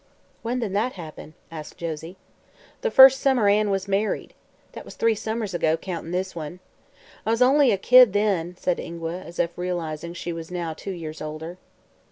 "When did that happen?" asked Josie. "The first summer Ann was married. That was three summers ago, countin' this one. I was only a kid, then," said Ingua, as if realizing she was now two years older.